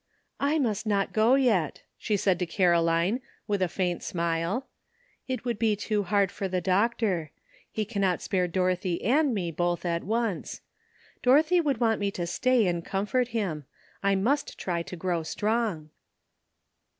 '*I must not go yet," she said to Caroline, with a faint smile; "it would be too hard for the doctor. He cannot spare Dorothy and me both at once. Dorothy would want me to stay and comfort him. I must try to grow strong."